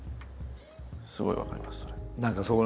すごい分かりますそれ。